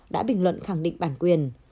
đã bình luận khẳng định bản quyền